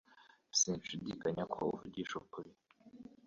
Sinshidikanya ko uvugisha ukuri